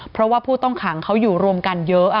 เพราะว่าผู้ต้องขังเขาอยู่รวมกันเยอะ